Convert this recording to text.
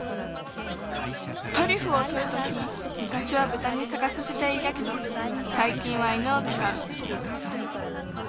トリュフをとるときむかしはブタにさがさせていたけどさいきんは犬をつかう。